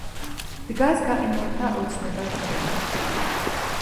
დგას გაყინულთა ოცნებად კრება